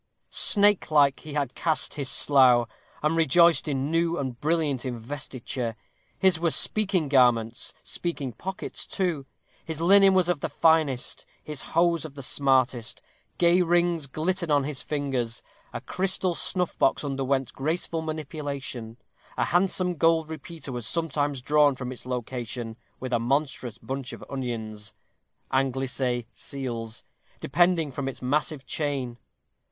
Snakelike he had cast his slough, and rejoiced in new and brilliant investiture. His were "speaking garments, speaking pockets too." His linen was of the finest, his hose of the smartest. Gay rings glittered on his fingers; a crystal snuff box underwent graceful manipulation; a handsome gold repeater was sometimes drawn from its location with a monstrous bunch of onions anglicè, seals depending from its massive chain.